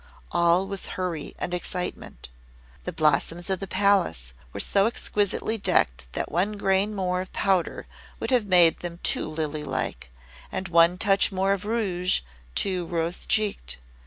All was hurry and excitement. The Blossoms of the Palace were so exquisitely decked that one grain more of powder would have made them too lily like, and one touch more of rouge, too rosecheeked.